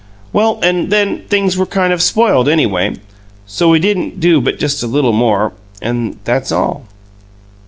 Well, and then things were kind of spoiled, anyway; so we didn't do but just a little more and that's all."